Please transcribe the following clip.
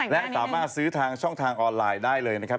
และสามารถซื้อทางช่องทางออนไลน์ได้เลยนะครับ